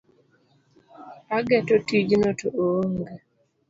Ageto tijno to oonge.